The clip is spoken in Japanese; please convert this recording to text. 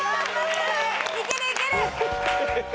いけるいける！